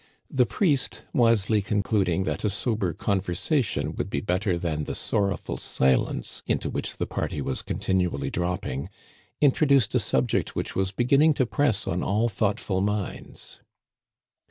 The priest, wisely concluding that a sober conversation would be better than the sorrowful silence into which the party was continually dropping, introduced a subject which was beginning to press on all thoughtful minds.